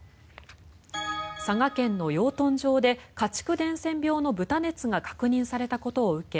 佐賀県の養豚場で家畜伝染病の豚熱が確認されたことを受け